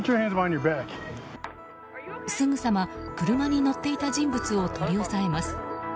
すぐさま車に乗っていた人物を取り押さえます。